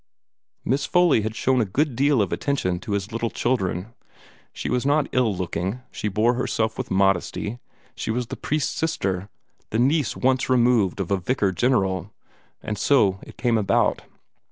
Miss Foley had shown a good deal of attention to his little children. She was not ill looking; she bore herself with modesty; she was the priest's sister the niece once removed of a vicar general. And so it came about.